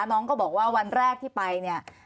น้องก็บอกว่าวันแรกที่ไปเนี่ย